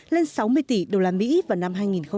lên sáu mươi tỷ đô la mỹ vào năm hai nghìn hai mươi